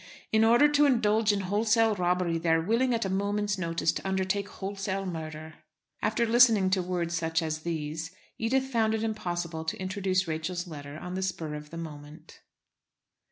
In order to indulge in wholesale robbery they are willing at a moment's notice to undertake wholesale murder." After listening to words such as these, Edith found it impossible to introduce Rachel's letter on the spur of the moment.